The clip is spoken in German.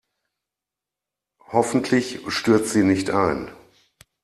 Hoffentlich stürzt sie nicht ein.